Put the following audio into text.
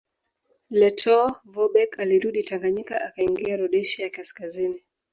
Lettow Vorbeck alirudi Tanganyika akaingia Rhodesia ya Kaskazini